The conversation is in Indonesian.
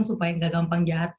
supaya gak gampang jatuh gitu sih